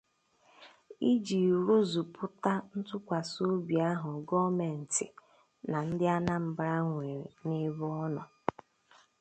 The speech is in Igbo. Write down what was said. iji rụzùpụta ntụkwasịobi ahụ gọọmenti na ndị Anambra nwere n'ebe ọ nọ.